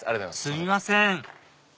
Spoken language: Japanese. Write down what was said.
すみません